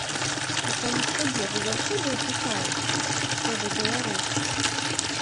А самі сябе вы заўсёды ўпікаеце, што вы беларус?